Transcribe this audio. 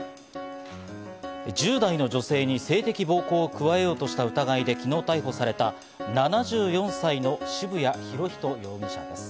１０代の女性に性的暴行を加えようとした疑いで昨日逮捕された７４歳の渋谷博仁容疑者です。